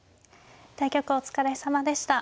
対局お疲れさまでした。